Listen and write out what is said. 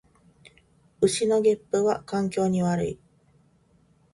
牛のげっぷは環境に悪い